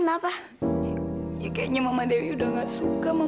sampai jumpa di video selanjutnya